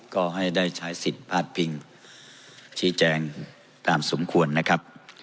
ก็ให้ได้ใช้สิทธิ์พาดพิงชี้แจงตามสมควรนะครับ